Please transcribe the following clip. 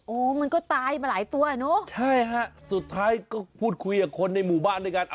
มันก็ตายมาหลายตัวเนอะใช่ฮะสุดท้ายก็พูดคุยกับคนในหมู่บ้านด้วยกัน